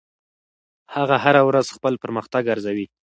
هغه هره ورځ خپل پرمختګ ارزوي.